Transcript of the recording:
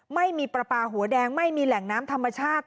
ไม่มีปลาปลาหัวแดงไม่มีแหล่งน้ำธรรมชาติ